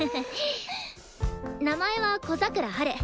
名前は小桜ハル。